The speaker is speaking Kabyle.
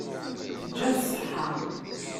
Teǧǧa-t ṣṣeḥḥa.